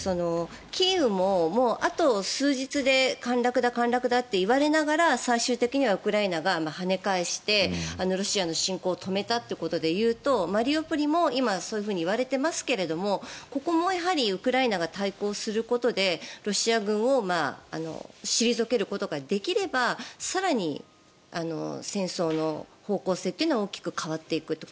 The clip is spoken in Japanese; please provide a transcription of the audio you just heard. キーウもあと数日で陥落だ、陥落だって言われながら最終的にはウクライナがはね返してロシアの侵攻を止めたということで言うとマリウポリも今、そう言われていますけどここもやはりウクライナが対抗することでロシア軍を退けることができれば更に戦争の方向性というのは大きく変わっていく。